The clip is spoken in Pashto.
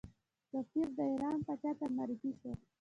سفیر د ایران پاچا ته معرفي شو.